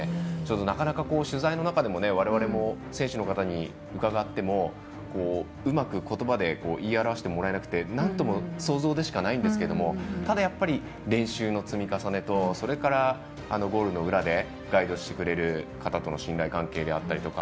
なかなか取材の中でも我々も選手の方に伺ってもうまく言葉で言い表してもらえなくて想像でしかないですが練習の積み重ねとそれからゴールの裏でガイドしてくれる方との信頼関係であったりとか。